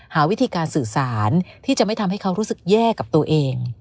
หาวิธีการสื่อสารที่จะไม่ทำให้เขารู้สึกแย่กับตัวเอง